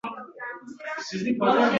Tezroq bor-da, olib kel bolalarimni